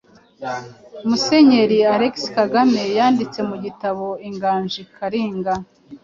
Musenyeri Alexis Kagame yanditse mu gitabo ‘ Inganji Kalinga’.